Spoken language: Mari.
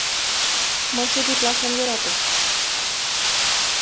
Мый шутитлаш ом йӧрате...